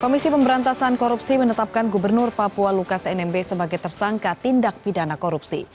komisi pemberantasan korupsi menetapkan gubernur papua lukas nmb sebagai tersangka tindak pidana korupsi